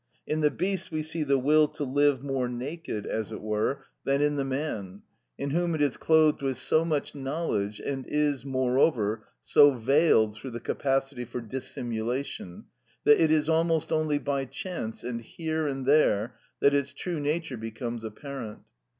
In the beast we see the will to live more naked, as it were, than in the man, in whom it is clothed with so much knowledge, and is, moreover, so veiled through the capacity for dissimulation, that it is almost only by chance, and here and there, that its true nature becomes apparent.